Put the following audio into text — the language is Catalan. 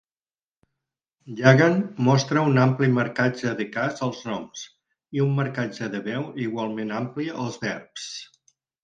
Yahgan mostra un ampli marcatge de cas als noms i un marcatge de veu igualment ampli als verbs.